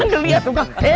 geli ya tuh